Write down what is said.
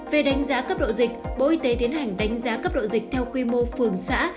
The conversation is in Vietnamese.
về đánh giá cấp độ dịch bộ y tế tiến hành đánh giá cấp độ dịch theo quy mô phường xã